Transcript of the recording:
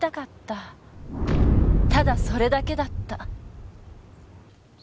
ただそれだけだった。